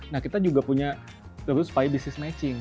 nah kita juga punya terus supaya bisnis matching